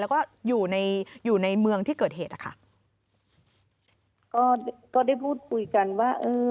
แล้วก็อยู่ในเมืองที่เกิดเหตุค่ะก็ได้พูดคุยกันว่า